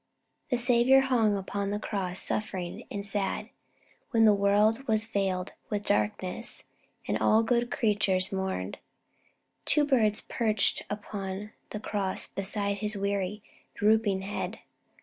The Saviour hung upon the cross, suffering and sad, while the world was veiled with darkness and all good creatures mourned. Two birds perched upon the cross beside His weary, drooping head.